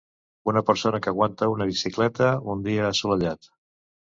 Una persona que aguanta una bicicleta un dia assolellat.